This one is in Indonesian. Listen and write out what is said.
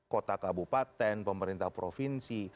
kota kabupaten pemerintah provinsi